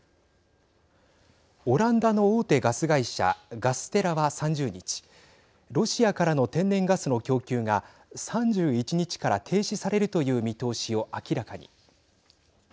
オランダの大手ガス会社ガステラは３０日ロシアからの天然ガスの供給が３１日から停止されるという見通しを明らかに。